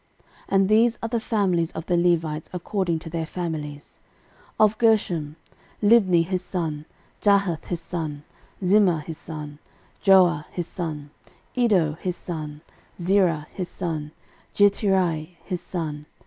And these are the families of the Levites according to their fathers. 13:006:020 Of Gershom; Libni his son, Jahath his son, Zimmah his son, 13:006:021 Joah his son, Iddo his son, Zerah his son, Jeaterai his son.